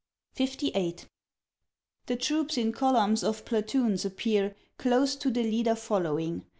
LIX. The troops in columns of platoons appear Close to the leader following.